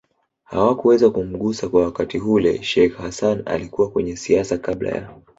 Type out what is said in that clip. hawakuweza kumgusa kwa wakati hule Sheikh Hassan alikuwa kwenye siasa kabla ya